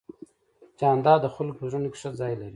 جانداد د خلکو په زړونو کې ښه ځای لري.